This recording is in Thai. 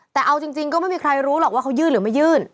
แต่เอาจริงก็ไม่มีใครรู้หรอกว่าเขายื่นหรือไม่ยื่น